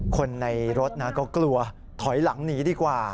คนในรถนะก็กลัวถอยหลังหนีดีกว่า